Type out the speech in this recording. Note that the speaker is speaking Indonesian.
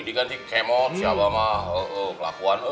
dikanti kemot siapa ma oh oh kelakuan